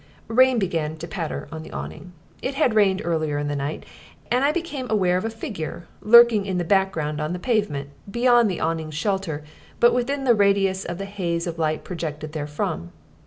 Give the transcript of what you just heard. Rain began to patter on the awning it had rained earlier in the night and I became aware of a figure, lurking in the background on the pavement, beyond the awning's shelter, but within the radius of the haze of light projected therefrom.